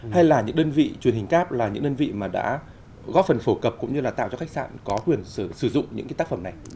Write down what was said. hay là những đơn vị truyền hình cáp là những đơn vị mà đã góp phần phổ cập cũng như là tạo cho khách sạn có quyền sử dụng những cái tác phẩm này